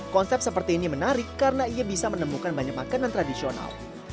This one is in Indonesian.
konsep seperti ini menarik karena ia bisa menemukan banyak makanan tradisional